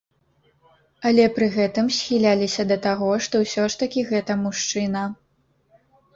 Але пры гэтым схіляліся да таго, што ўсё ж такі гэта мужчына.